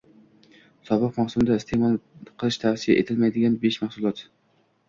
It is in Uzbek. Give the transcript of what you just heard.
Sovuq mavsumda iste’mol qilish tavsiya etilmaydiganbeshmahsulot